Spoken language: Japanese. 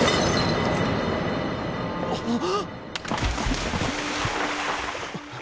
あっ。